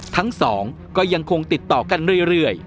ทั้งสองก็ยังคงติดต่อกันเรื่อย